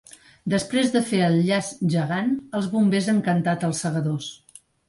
Després de fer el llaç gegant, els bombers han cantat ‘Els segadors’.